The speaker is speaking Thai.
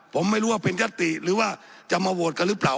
ผมไม่รู้ว่าเป็นยัตติหรือว่าจะมาโหวตกันหรือเปล่า